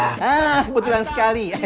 hah kebetulan sekali